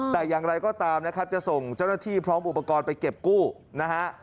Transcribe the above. แต่อย่างไรก็ตามนะครับจะส่งเจ้าหน้าที่พร้อมอุปกรณ์ไปเก็บกู้นะฮะ